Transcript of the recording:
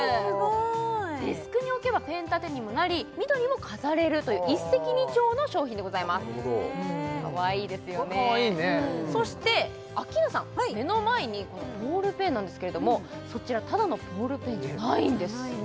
デスクに置けばペン立てにもなり緑も飾れるという一石二鳥の商品でございますかわいいですよねこれかわいいねそしてアッキーナさん目の前にこのボールペンなんですけれどもそちらただのボールペンじゃないんですじゃないね